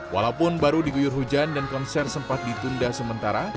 walaupun baru diguyur hujan dan konser sempat ditunda sementara